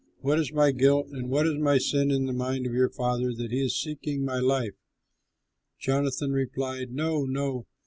What is my guilt, and what is my sin in the mind of your father, that he is seeking my life?" Jonathan replied, "No, no!